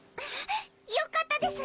よかったです！